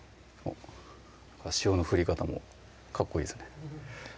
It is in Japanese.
塩の振り方もかっこいいですね